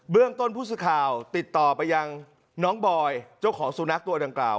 เรื่องต้นผู้สื่อข่าวติดต่อไปยังน้องบอยเจ้าของสุนัขตัวดังกล่าว